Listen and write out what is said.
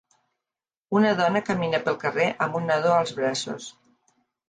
Una dona camina pel carrer amb un nadó als braços.